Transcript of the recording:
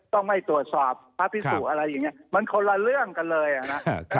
ต้องไม่ตรวจสอบพระพิสุอะไรอย่างนี้มันคนละเรื่องกันเลยอ่ะนะ